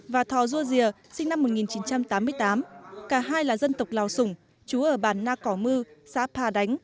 và thò dua rìa sinh năm một nghìn chín trăm tám mươi tám cả hai là dân tộc lào sùng chú ở bản na cỏ mư xã pà đánh